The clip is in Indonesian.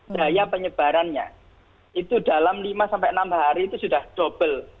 daya penyebarannya itu dalam lima sampai enam hari itu sudah double